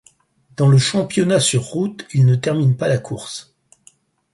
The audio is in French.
Dans le championnat sur route, il ne termine pas la course.